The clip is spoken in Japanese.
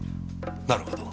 なるほど。